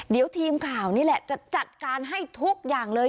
เดี๋ยวทีมข่าวนี่แหละจะจัดการให้ทุกอย่างเลย